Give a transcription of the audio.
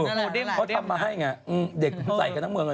เขาทำมาให้ไงเด็กใส่กันทั้งเมืองเลย